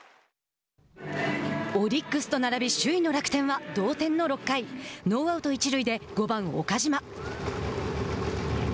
オリックスと並び首位の楽天は同点の６回ノーアウト、一塁で５番岡島。